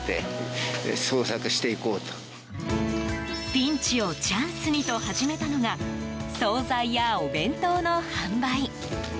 ピンチをチャンスにと始めたのが総菜やお弁当の販売。